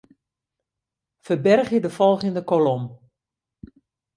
Ferbergje de folgjende kolom.